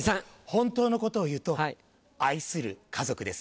本当のことを言うと愛する家族です。